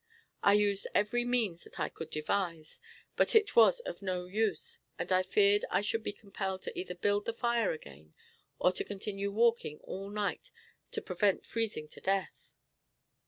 I used every means that I could devise, but it was of no use, and I feared I should be compelled to either build the fire again, or to continue walking all night to prevent freezing to death.